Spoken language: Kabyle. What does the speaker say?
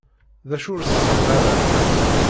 D acu ur tesɛim ara?